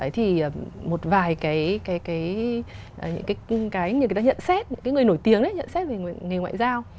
thì một vài cái người ta nhận xét người nổi tiếng nhận xét về nghề ngoại giao